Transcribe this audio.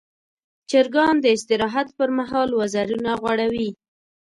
چرګان د استراحت پر مهال وزرونه غوړوي.